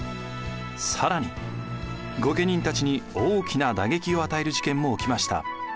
更に御家人たちに大きな打撃を与える事件も起きました。